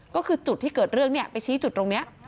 ก็คือจุดที่เกิดเรื่องเนี่ยไปชี้จุดตรงนี้